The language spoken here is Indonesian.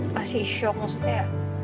masih shock maksudnya